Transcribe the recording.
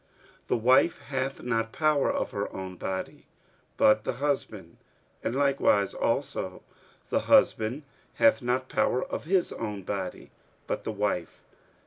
46:007:004 The wife hath not power of her own body, but the husband: and likewise also the husband hath not power of his own body, but the wife.